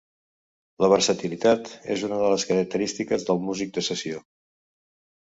La versatilitat és una de les característiques del músic de sessió.